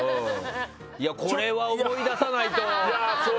これは思い出さないと。